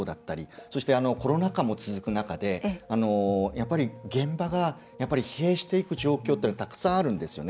そして、コロナ禍も続く中で現場が疲弊していく状況というのはたくさんあるんですね。